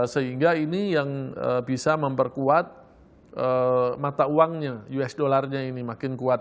sehingga ini yang bisa memperkuat mata uangnya us dollarnya ini makin kuat